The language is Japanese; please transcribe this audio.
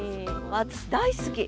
私大好き！